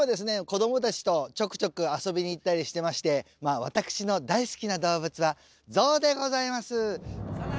子どもたちとちょくちょく遊びに行ったりしてましてまあ私の大好きな動物はゾウでございます。